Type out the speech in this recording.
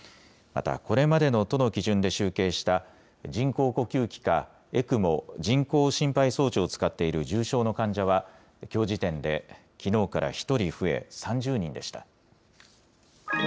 また、これまでの都の基準で集計した、人工呼吸器かＥＣＭＯ・人工心肺装置を使っている重症の患者は、きょう時点できのうから１人増え、３０人でした。